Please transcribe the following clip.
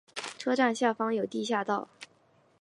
车站下方有地下道。